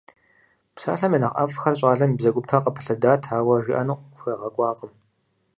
Псалъэм я нэхъ ӀэфӀхэр щӀалэм и бзэгупэ къыпылъэдат, ауэ жиӀэну къыхуегъэкӀуакъым.